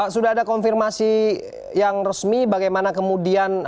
sudah ada konfirmasi yang resmi bagaimana kemudian